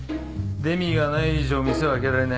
デミがない以上店は開けられない。